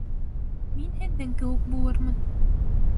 Мин һеҙҙең кеүек булырмын...